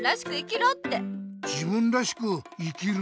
自分らしく生きる？